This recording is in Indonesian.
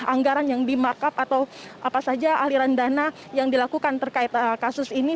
anggaran yang di markup atau apa saja aliran dana yang dilakukan terkait kasus ini